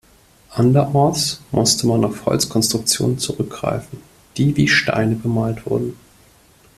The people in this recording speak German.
Anderenorts musste man auf Holzkonstruktionen zurückgreifen, die wie Steine bemalt wurden.